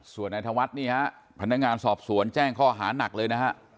นั่นแหละพี่ก็ต้องไปถามลูกสาวก่อน